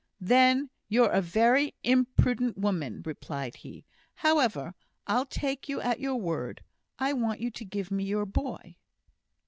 "Then you're a very imprudent woman," replied he; "however, I'll take you at your word. I want you to give me your boy."